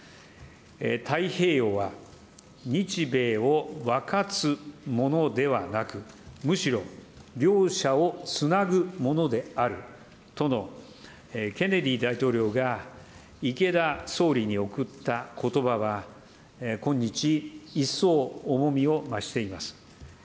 太平洋は日米を分かつものではなく、むしろ、両者をつなぐものであるとのケネディ大統領が池田総理に贈ったことばは、今日、一層重みを増しています。